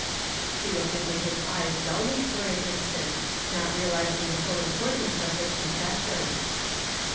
She looked into his eyes dully for an instant, not realizing the full importance of his confession.